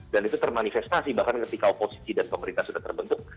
dan itu termanifestasi bahkan ketika oposisi dan pemerintah sudah terbentuk